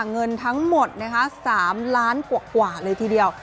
เงินทั้งหมดนะคะ๓๐๐๐๐๐๐บาทกว่าเลยทีเดียว